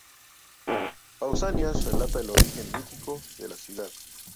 Pausanias relata el origen mítico de la ciudad.